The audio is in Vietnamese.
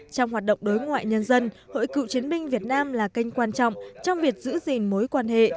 trong hoạt động đối ngoại nhân dân hội cựu chiến binh việt nam là kênh quan trọng trong việc giữ gìn mối quan hệ